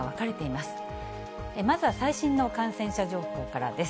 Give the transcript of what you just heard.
まずは最新の感染者情報からです。